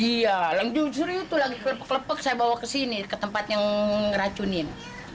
iya yang jujur itu lagi kelepek kelepek saya bawa ke sini ke tempat yang ngeracunin